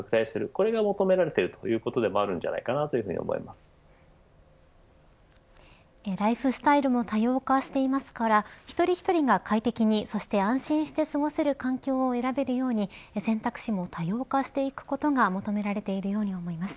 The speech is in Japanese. これが求められているということでもあるのかなとライフスタイルも多様化していますから一人一人が快適に、そして安心して過ごせる環境を選べるように選択肢も多様化していくことが求められているように思います。